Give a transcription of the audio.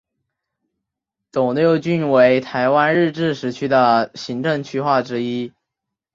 斗六郡为台湾日治时期的行政区划之一。